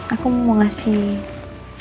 aku mau ngasih